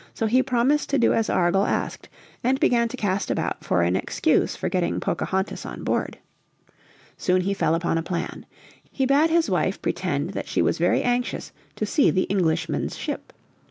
So he promised to do as Argall asked, and began to cast about for an excuse for getting Pocahontas on board. Soon he fell upon a plan. He bade his wife pretend that she was very anxious to see the Englishman's ship.